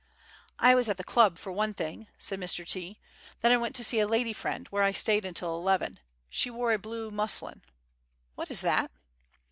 "I was at the club for one thing," said Mr. T ; "then I went to see a lady friend, where I stayed until eleven. She wore a blue muslin What is that?"